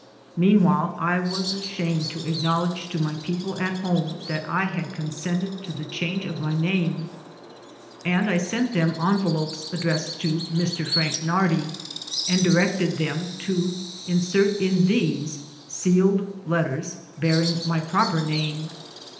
Meanwhile, I was ashamed to ac knowledge to my people at home that I had con sented to the change of my name, and I sent them envelopes addressed to "Mr. Frank Nardi" and di rected them to insert in these sealed letters bearing my proper name.